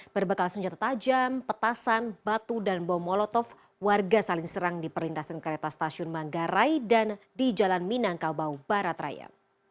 berbekal senjata tajam petasan batu dan bom molotov warga saling serang di perlintasan kereta stasiun manggarai dan di jalan minangkabau barat raya